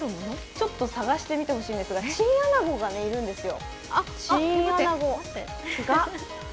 ちょっと探してみてほしいんですが、チンアナゴがいるんですよ。